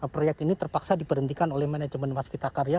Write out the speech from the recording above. proyek ini terpaksa diberhentikan oleh manajemen waskita karya